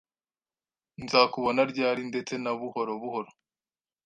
Nzakubona Ryari, ndetse na Buhoro Buhoro